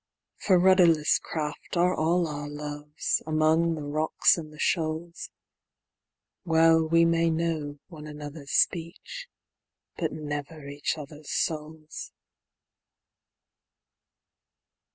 For rudderless craft are all our loves, among the rocks and the shoals, Well we may know one another's speech, but never each other's souls.